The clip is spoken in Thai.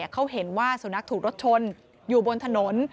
เขาเห็นว่าสุนัขถูกรถชนอยู่บนถนน